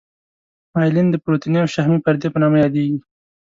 مایلین د پروتیني او شحمي پردې په نامه یادیږي.